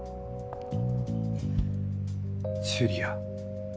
ジュリア。